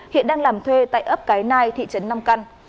hiện đang làm thuê tại ấp cái nai thị trấn nam căn